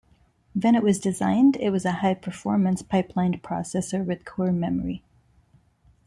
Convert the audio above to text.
When it was designed, it was a high-performance pipelined processor with core memory.